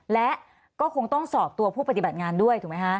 และก็คงต้องสอบตัวผู้ปฏิบัติงานด้วยถูกไหมคะ